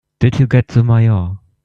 Did you get the Mayor?